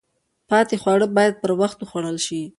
پاتې خواړه باید پر وخت وخوړل شي.